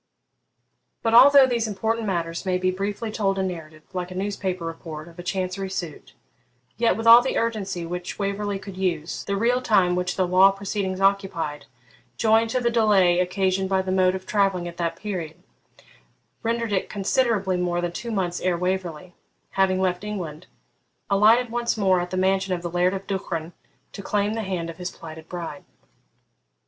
But although these important matters may be briefly told in narrative, like a newspaper report of a Chancery suit, yet, with all the urgency which Waverley could use, the real time which the law proceedings occupied, joined to the delay occasioned by the mode of travelling at that period, rendered it considerably more than two months ere Waverley, having left England, alighted once more at the mansion of the Laird of Duchran to claim the hand of his plighted bride.